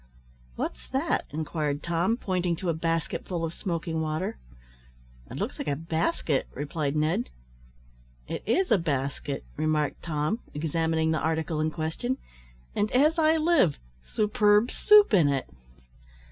"What's that?" inquired Tom, pointing to a basketful of smoking water. "It looks like a basket," replied Ned. "It is a basket," remarked Tom, examining the article in question, "and, as I live, superb soup in it."